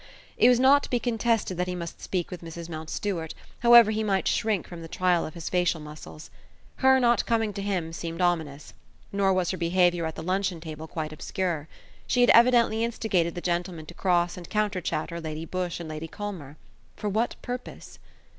It was not to be contested that he must speak with Mrs Mountstuart, however he might shrink from the trial of his facial muscles. Her not coming to him seemed ominous: nor was her behaviour at the luncheon table quite obscure. She had evidently instigated the gentlemen to cross and counterchatter Lady Busshe and Lady Culmer. For what purpose?